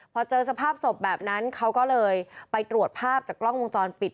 พอเจอสภาพศพแบบนั้นเขาก็เลยไปตรวจภาพจากกล้องวงจรปิด